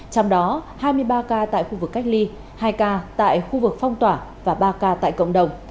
trong đó hai mươi ba ca tại khu vực cách ly hai ca tại khu vực phong tỏa và ba ca tại cộng đồng